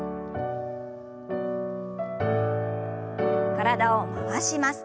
体を回します。